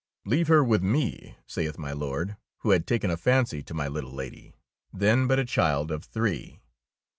''Leave her with me," saith my Lord, who had taken a fancy to my little Lady, then but a child of three.